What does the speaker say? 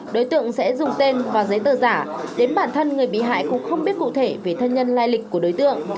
đối tượng sẽ dùng tên và giấy tờ giả đến bản thân người bị hại cũng không biết cụ thể về thân nhân lai lịch của đối tượng